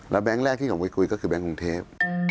แล้วแบงค์แรกที่เราคุยกันก็คือแบงค์กรุงเทพฯ